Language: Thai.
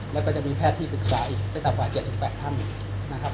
และก็จะมีแพทย์ที่ปรึกษาอีกประเภทอีก๗๘ท่าน